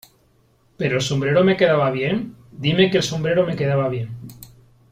¿ Pero el sombrero me quedaba bien ? Dime que el sombrero me quedaba bien .